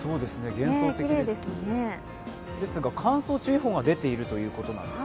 幻想的ですね、ですが乾燥注意報が出ているということです。